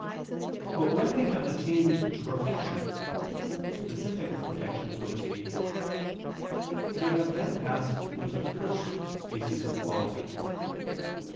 But when they have attained to perfection (specific perfection, so to speak), they have then passed into the first species of quality.